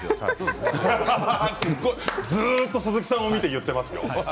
ずっと鈴木さんを見て言っていますよ。